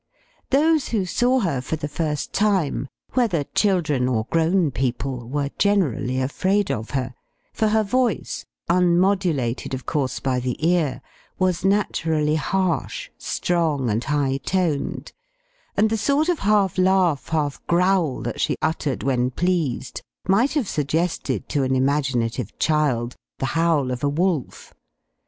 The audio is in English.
Those who saw her for the first time, whether children or grown people, were generally afraid of her; for her voice, unmodulated, of course, by the ear, was naturally harsh, strong, and high toned; and the sort of half laugh, half growl, that she uttered when pleased, might have suggested to an imaginative child the howl of a wolf.